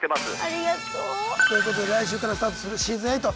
ありがとう。ということで来週からスタートするシーズン８。